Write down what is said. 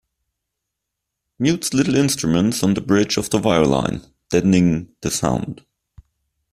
Mutes little instruments on the bridge of the violin, deadening the sound.